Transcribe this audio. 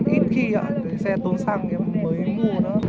ít khi ạ xe tốn xăng mới mua đó